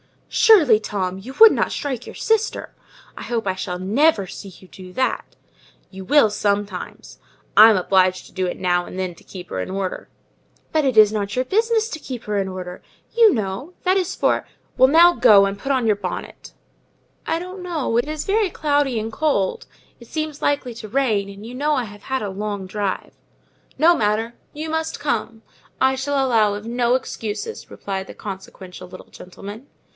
"Surely, Tom, you would not strike your sister! I hope I shall never see you do that." "You will sometimes: I'm obliged to do it now and then to keep her in order." "But it is not your business to keep her in order, you know—that is for—" "Well, now go and put on your bonnet." "I don't know—it is so very cloudy and cold, it seems likely to rain;—and you know I have had a long drive." "No matter—you must come; I shall allow of no excuses," replied the consequential little gentleman.